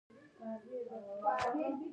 احمده! ته ځه؛ زما کار په ډينګ ډينګو شو.